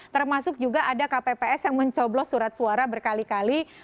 termasuk juga ada kpps yang mencoblos surat suara berkali kali